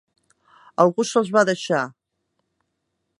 Algú se'ls va deixar.